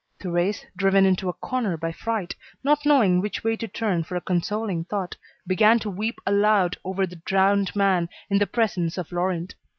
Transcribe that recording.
Thérèse, driven into a corner by fright, not knowing which way to turn for a consoling thought, began to weep aloud over the drowned man, in the presence of Laurent.